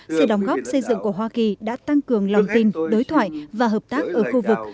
sự đóng góp xây dựng của hoa kỳ đã tăng cường lòng tin đối thoại và hợp tác ở khu vực